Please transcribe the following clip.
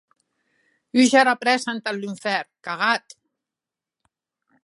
Húger ara prèssa entath lunfèrn, cagat!